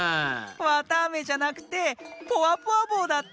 わたあめじゃなくて「ポワポワぼう」だって！